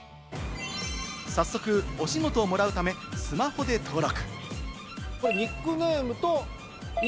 早速、お仕事をもらうため、スマホで登録。